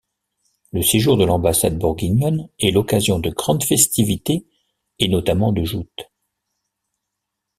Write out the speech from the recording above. Le séjour de l'ambassade bourguignonne est l'occasion de grandes festivités et notamment de joutes.